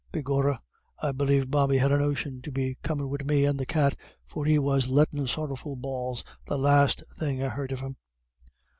Begorrah, I believe Bobby had a notion to be comin' wid me and the cat, for he was lettin' sorrowful bawls the last thing I heard of him.